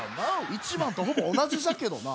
１ばんとほぼおなじじゃけどな。